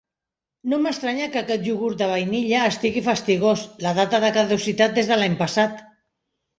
No m'estranya que aquest iogurt de vainilla estigui fastigós, la data de caducitat és de l'any passat.